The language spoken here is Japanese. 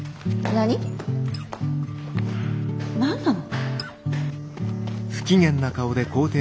何なの？